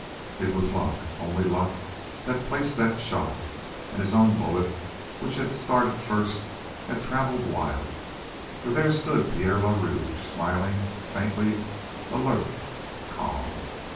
It was luck, only luck, that placed that shot, and his own bullet, which had started first, had traveled wild, for there stood Pierre le Rouge, smiling faintly, alert, calm.